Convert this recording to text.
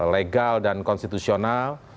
legal dan konstitusional